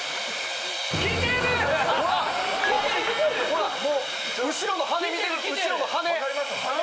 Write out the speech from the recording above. ほらもう後ろの羽根見てる後ろの羽根ほら！